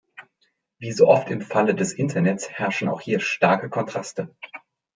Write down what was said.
Wie so oft im Falle des Internets herrschen auch hier starke Kontraste.